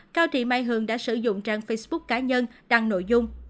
cao thị mai hường đã sử dụng trang facebook cá nhân đăng nội dung